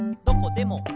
「どこでも」